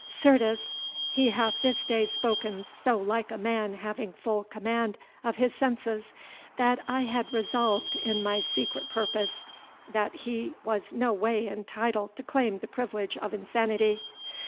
Certes, he hath this day spoken so like a man having full command of his senses, that I had resolved in my secret purpose that he was no way entitled to claim the privilege of insanity.